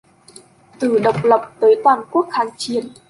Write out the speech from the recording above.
Từ Độc lập tới Toàn quốc kháng chiến